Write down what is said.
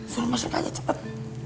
suruh masuk aja cepet